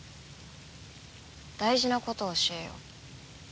大事なことを教えよう。